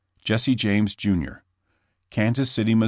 JESSE JAMES, Jr. Kansas City, Mo.